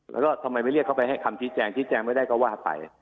แล้วก็ทำไมไม่เรียกเขาไปให้คำชี้แจงชี้แจงไม่ได้ก็ว่าไป